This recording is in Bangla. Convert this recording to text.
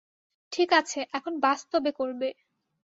ঠিকাছে, এখন বাস্তবে করবে।